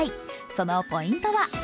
そのポイントは？